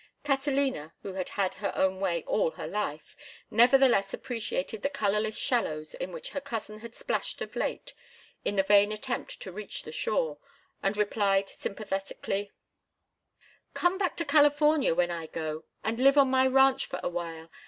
Catalina, who had had her own way all her life, nevertheless appreciated the colorless shallows in which her cousin had splashed of late in the vain attempt to reach a shore, and replied, sympathetically: "Come back to California when I go and live on my ranch for a while.